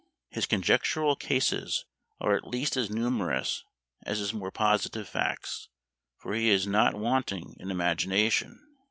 His conjectural cases are at least as numerous as his more positive facts; for he is not wanting in imagination.